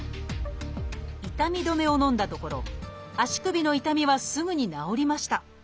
痛み止めをのんだところ足首の痛みはすぐに治りました。